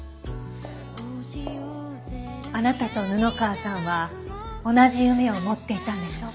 あなたと布川さんは同じ夢を持っていたんでしょ？